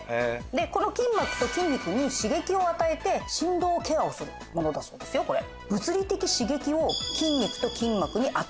でこの筋膜と筋肉に刺激を与えて振動ケアをするものだそうですよこれ。